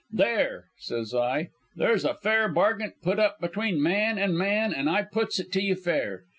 There!' says I, 'there's a fair bargint put up between man an' man, an' I puts it to you fair.